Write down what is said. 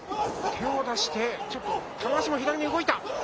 手を出して、ちょっと玉鷲も左に動いた。